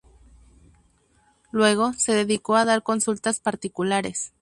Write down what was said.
Luego se dedicó a dar consultas particulares.